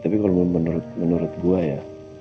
tapi kalau menurut gue ya